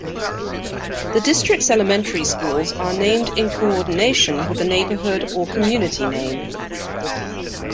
The district's elementary schools are named in coordination with the neighborhood or community name.